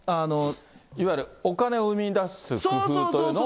いわゆるお金を生み出す工夫というのを。